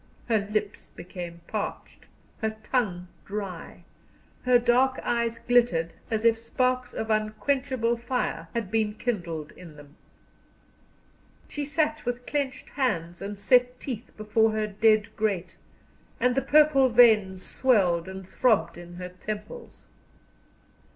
Her lips became parched, her tongue dry, her dark eyes glittered as if sparks of unquenchable fire had been kindled in them. She sat with clenched hands and set teeth before her dead grate, and the purple veins swelled and throbbed in her temples.